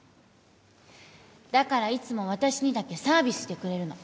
だからいつも私にだけサービスしてくれるの